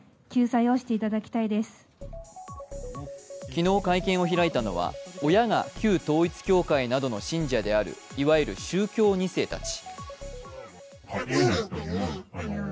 昨日会見を開いたのは親が旧統一教会などの信者であるいわゆる宗教２世たち。